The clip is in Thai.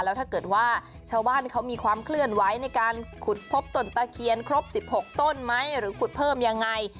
แล้วถ้าเกิดว่าชาวบ้านเขามีความเคลื่อนไหวในการขุดพบตนตะเคียนครบ๑๖ต้นไหมหรือขุดเพิ่มยังไง